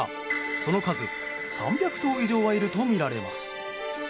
その数３００頭以上はいるとみられます。